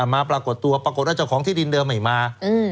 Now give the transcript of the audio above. ปรากฏตัวปรากฏว่าเจ้าของที่ดินเดิมไม่มา